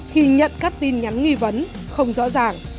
khi nhận các tin nhắn nghi vấn không rõ ràng